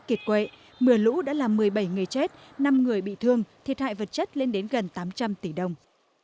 kiệt quệ mưa lũ đã làm một mươi bảy người chết năm người bị thương thiệt hại vật chất lên đến gần tám trăm linh tỷ đồng